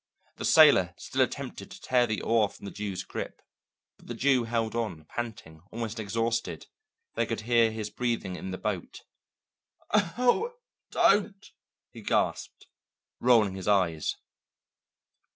The sailor still attempted to tear the oar from the Jew's grip, but the Jew held on, panting, almost exhausted; they could hear his breathing in the boat. "Oh, don't!" he gasped, rolling his eyes.